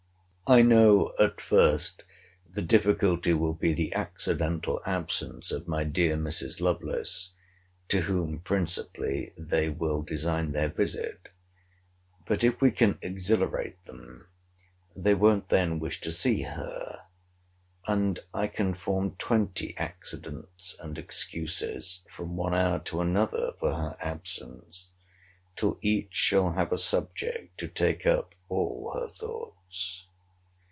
I know, at first, the difficulty will be the accidental absence of my dear Mrs. Lovelace, to whom principally they will design their visit: but if we can exhilarate them, they won't then wish to see her; and I can form twenty accidents and excuses, from one hour to another, for her absence, till each shall have a subject to take up all her thoughts.